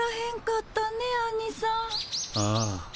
ああ。